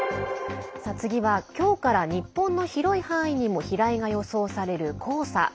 次は、今日から日本の広い範囲にも飛来が予想される黄砂。